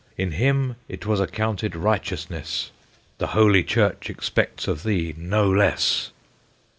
In him it was accounted righteousness; The Holy Church expects of thee no less!"